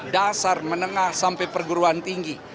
dasar menengah sampai perguruan tinggi